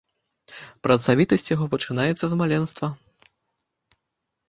Працавітасць яго пачынаецца з маленства.